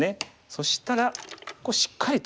そしたらしっかりと。